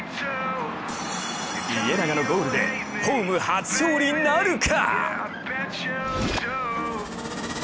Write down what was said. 家長のゴールでホーム初勝利なるか？